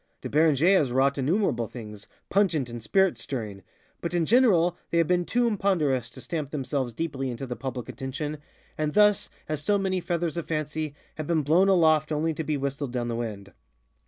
De Beranger has wrought innumerable things, pungent and spirit stirring, but in general they have been too imponderous to stamp themselves deeply into the public attention, and thus, as so many feathers of fancy, have been blown aloft only to be whistled down the wind.